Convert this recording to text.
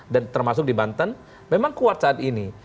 dan termasuk di banten memang kuat saat ini